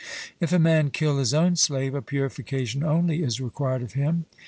If a man kill his own slave, a purification only is required of him.